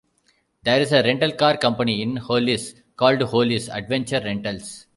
There is a rental car company in Hollis called Hollis Adventure Rentals.